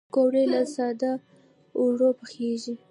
پکورې له ساده آردو پخېږي